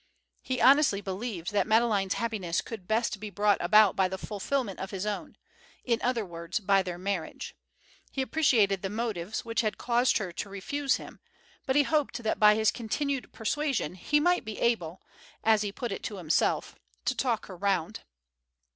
He honestly believed that Madeleine's happiness could best be brought about by the fulfilment of his own, in other words by their marriage. He appreciated the motives which had caused her to refuse him, but he hoped that by his continued persuasion he might be able, as he put it to himself, to talk her round.